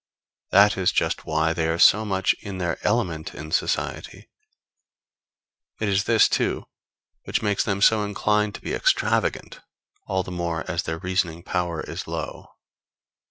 That is just why they are so much in their element in society. It is this, too, which makes them so inclined to be extravagant, all the more as their reasoning power is low.